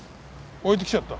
置いてきちゃった。